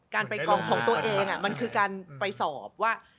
การไปกองของตัวเองมันคือการไปสอบว่า